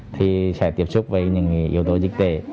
thì sẽ tiếp xúc với những yếu tố dịch tễ